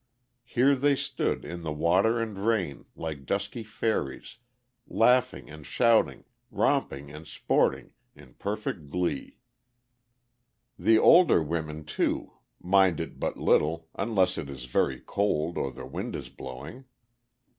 Here they stood, in the water and rain, like dusky fairies, laughing and shouting, romping and sporting, in perfect glee. The older women, too, mind it but little, unless it is very cold or the wind is blowing.